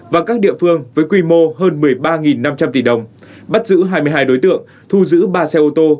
và các địa phương với quy mô hơn một mươi ba năm trăm linh tỷ đồng bắt giữ hai mươi hai đối tượng thu giữ ba xe ô tô